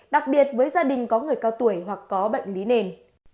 đặc biệt với gia đình có người cao tuổi hoặc có bệnh lý nền